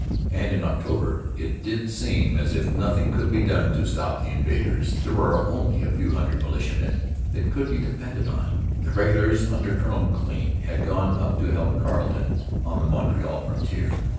And in October it did seem as if nothing could be done to stop the invaders. There were only a few hundred militiamen that could be depended on. The regulars, under Colonel Maclean, had gone up to help Carleton on the Montreal frontier.